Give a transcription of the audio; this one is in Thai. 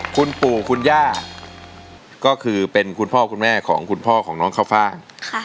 คุณปู่คุณย่าก็คือเป็นคุณพ่อคุณแม่ของคุณพ่อของน้องข้าวฟ่าง